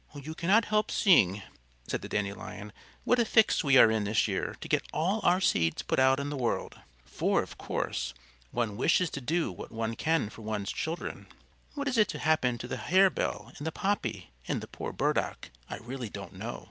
"You cannot help seeing," said the Dandelion, "what a fix we are in this year to get all our seeds put out in the world; for, of course, one wishes to do what one can for one's children. What is to happen to the Harebell and the Poppy and the poor Burdock I really don't know.